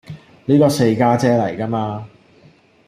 呢個四家姐嚟㗎嘛